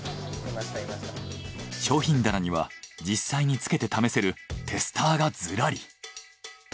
商品棚には実際につけて試せるテスターがずらり。